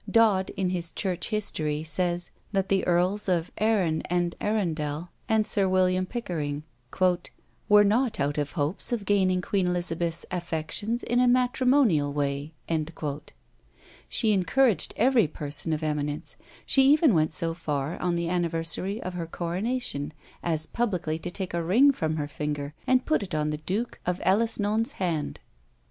Dodd, in his Church History, says, that the Earls of Arran and Arundel, and Sir William Pickering, "were not out of hopes of gaining Queen Elizabeth's affections in a matrimonial way." She encouraged every person of eminence: she even went so far, on the anniversary of her coronation, as publicly to take a ring from her finger, and put it on the Duke of Aleçnon's hand.